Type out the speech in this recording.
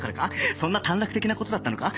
そんな短絡的な事だったのか？